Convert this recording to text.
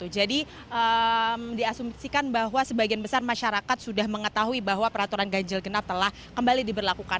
jadi diasumsikan bahwa sebagian besar masyarakat sudah mengetahui bahwa peraturan ganjil genap telah kembali diberlakukan